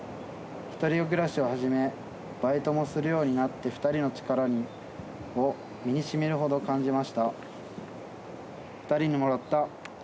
１人暮らしを始めバイトもするようになって２人の力を身にしみるほど感じました」。